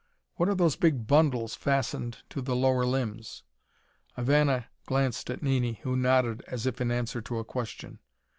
"What are those big bundles fastened to the lower limbs?" Ivana glanced at Nini, who nodded as if in answer to a question.